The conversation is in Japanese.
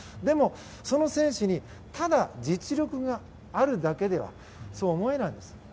でも、その選手にただ実力があるだけではそう思えないんです。